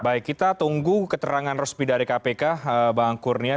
baik kita tunggu keterangan resmi dari kpk bang kurnia